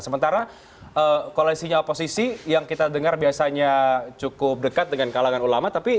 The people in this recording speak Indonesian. sementara koalisinya oposisi yang kita dengar biasanya cukup dekat dengan kalangan ulama